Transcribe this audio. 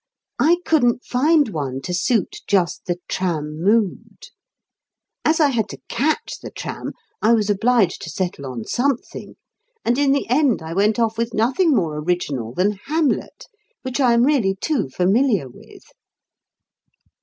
I couldn't find one to suit just the tram mood. As I had to catch the tram I was obliged to settle on something, and in the end I went off with nothing more original than "Hamlet," which I am really too familiar with....